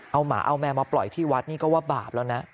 เอาหมาเอาแมวมาปล่อยที่วัดนี่ก็ว่าบาปแล้วนะ